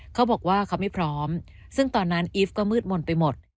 เขาบอกว่าเขาไม่พร้อมซึ่งตอนนั้นอีฟก็มืดมนต์ไปหมด